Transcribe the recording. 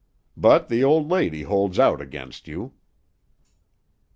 But the old lady holds out against you."